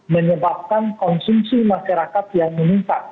menyebabkan konsumsi masyarakat yang meningkat